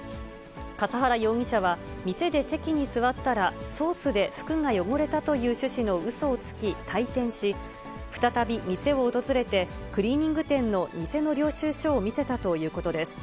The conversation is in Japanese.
笠原容疑者は、店で席に座ったら、ソースで服が汚れたという趣旨のうそをつき退店し、再び店を訪れて、クリーニング店の偽の領収書を見せたということです。